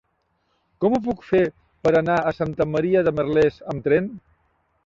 Com ho puc fer per anar a Santa Maria de Merlès amb tren?